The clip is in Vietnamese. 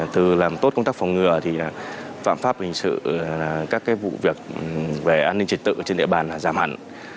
từ làm tốt công tác phòng ngừa thì phạm pháp hình sự các vụ việc về an ninh trật tự trên địa bàn giảm hẳn